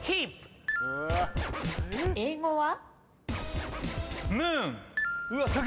英語は？